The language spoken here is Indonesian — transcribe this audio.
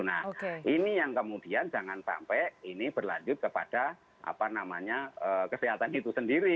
nah ini yang kemudian jangan sampai ini berlanjut kepada kesehatan itu sendiri